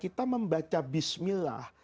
kita membaca bismillah